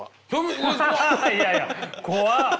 いやいや怖っ！